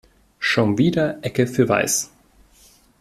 Schon wieder Ecke für weiß.